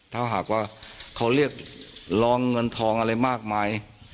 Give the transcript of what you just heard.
ถ้าหากว่าเขาเรียกร้องเงินทองอะไรมากมาย